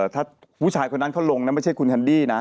ถ้าผู้ชายคนนั้นเขาลงนะไม่ใช่คุณแคนดี้นะ